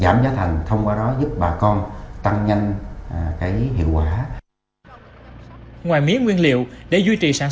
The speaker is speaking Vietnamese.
giảm giá thành thông qua đó giúp bà con tăng nhanh hiệu quả ngoài mía nguyên liệu để duy trì sản